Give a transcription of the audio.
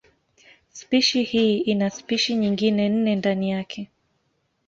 Spishi hii ina spishi nyingine nne ndani yake.